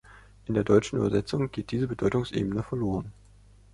In der deutschen Übersetzung geht diese Bedeutungsebene verloren.